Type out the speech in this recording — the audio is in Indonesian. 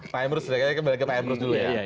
pak emrus kembali ke pak emrus dulu ya